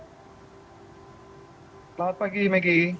selamat pagi maggie